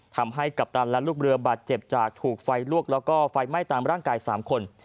กัปตันและลูกเรือบาดเจ็บจากถูกไฟลวกแล้วก็ไฟไหม้ตามร่างกาย๓คน